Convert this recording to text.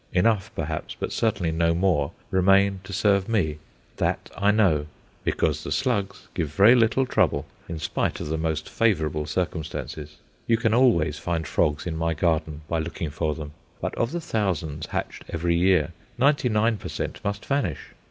Enough perhaps, but certainly no more, remain to serve me that I know because the slugs give very little trouble in spite of the most favourable circumstances. You can always find frogs in my garden by looking for them, but of the thousands hatched every year, ninety nine per cent. must vanish.